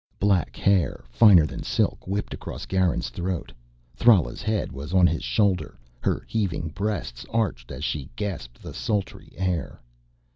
Black hair, finer than silk, whipped across Garin's throat. Thrala's head was on his shoulder, her heaving breasts arched as she gasped the sultry air.